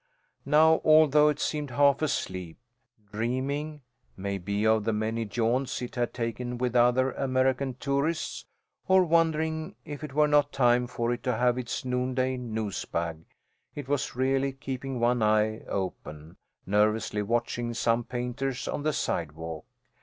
Now, although it seemed half asleep, dreaming, maybe, of the many jaunts it had taken with other American tourists, or wondering if it were not time for it to have its noonday nose bag, it was really keeping one eye open, nervously watching some painters on the sidewalk.